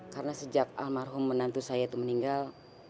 karena sejak almarhum menantu saya itu meninggal